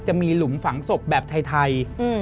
จะมีหลุมฝังศพแบบไทย